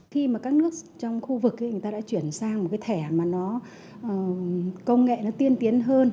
khi mà các nước trong khu vực ấy người ta đã chuyển sang một cái thẻ mà nó công nghệ nó tiên tiến hơn